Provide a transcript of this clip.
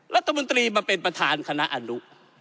รัฐมนตรีมาเป็นประธานคณะอนุ